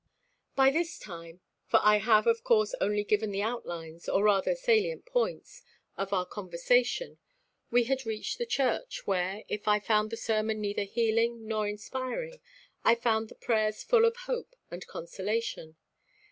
By this time, for I have, of course, only given the outlines, or rather salient points, of our conversation, we had reached the church, where, if I found the sermon neither healing nor inspiring, I found the prayers full of hope and consolation.